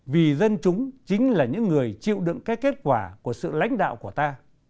vì dân chúng chính là những người chịu đựng các kết quả của sự lãnh đạo của ta